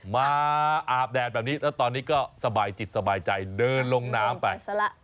มาอาบแดดแบบนี้แล้วตอนนี้ก็สบายจิตสบายใจเดินลงน้ำไป